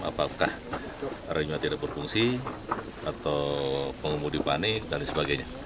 apakah remnya tidak berfungsi atau pengumum dipanik dan sebagainya